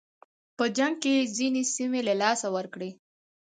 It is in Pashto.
په جنګ کې یې ځینې سیمې له لاسه ورکړې.